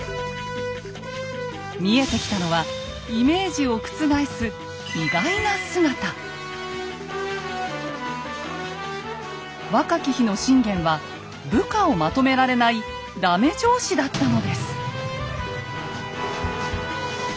見えてきたのはイメージを覆す若き日の信玄は部下をまとめられないダメ上司だったのです。